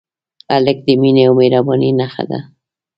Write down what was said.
هلک د مینې او مهربانۍ نښه ده.